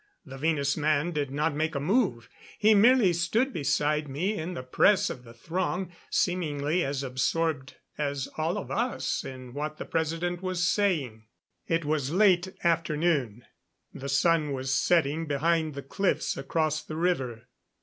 The Venus man did not make a move; he merely stood beside me in the press of the throng, seemingly as absorbed as all of us in what the President was saying. It was late afternoon. The sun was setting behind the cliffs across the river.